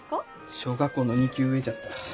小学校の２級上じゃった。